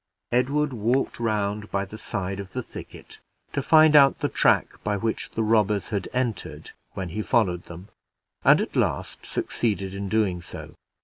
Edward walked round by the side of the thicket, to find out the track by which the robbers had entered when he followed them, and at last succeeded in doing so.